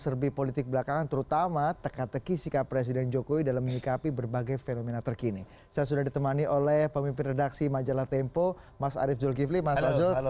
serbi politik belakangan terutama teka teki sikap presiden jokowi dalam menyikapi berbagai fenomena terkini saya sudah ditemani oleh pemimpin redaksi majalah tempo mas arief zulkifli mas azul